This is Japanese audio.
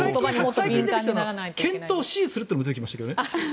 最近出てきたのは検討を指示するというのも出てきましたけどね。